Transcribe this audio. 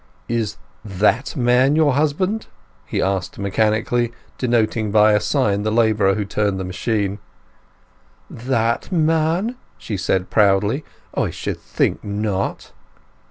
"Is that man your husband?" he asked mechanically, denoting by a sign the labourer who turned the machine. "That man!" she said proudly. "I should think not!"